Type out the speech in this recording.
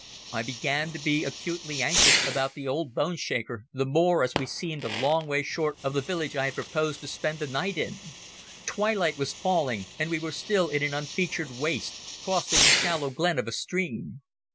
I began to be acutely anxious about the old boneshaker, the more as we seemed a long way short of the village I had proposed to spend the night in. Twilight was falling and we were still in an unfeatured waste, crossing the shallow glen of a stream.